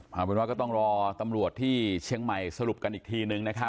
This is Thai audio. เอาเป็นว่าก็ต้องรอตำรวจที่เชียงใหม่สรุปกันอีกทีนึงนะครับ